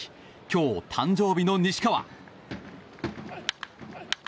今日、誕生日の西川！